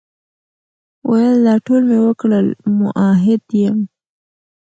ویل دا ټول مي وکړل، مؤحد یم ،